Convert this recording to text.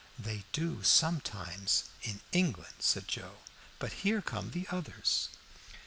"They do sometimes in England," said Joe. "But here come the others!"